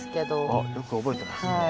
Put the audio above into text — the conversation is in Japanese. おっよく覚えてますね。